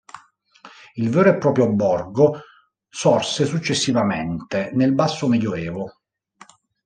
Il vero e proprio borgo sorse successivamente, nel Basso Medioevo.